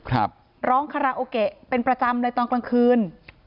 หร้องคาราโอกกเป็นประจำตอนกลางคืน